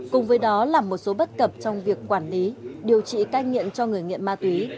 cùng với đó là một số bất cập trong việc quản lý điều trị cai nghiện cho người nghiện ma túy